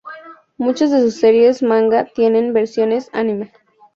Muchas de sus series manga tienen versiones anime.